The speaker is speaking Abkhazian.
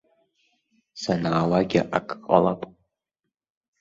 Санаауагьы ак ҟалап.